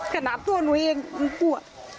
กระนับตัวหนูเองก็กลัว